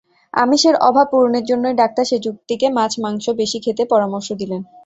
আমিষের অভাব পূরণের জন্যই ডাক্তার সেঁজুতিকে মাছ, মাংস বেশি খেতে পরামর্শ দিলেন।